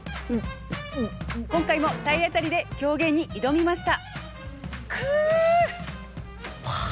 今回も体当たりで狂言に挑みました。